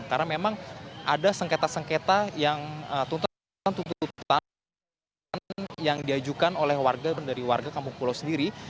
karena memang ada sengketa sengketa yang tuntutan tuntutan yang diajukan oleh warga dari warga kampung kulo sendiri